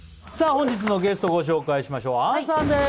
本日のゲストご紹介しましょう杏さんです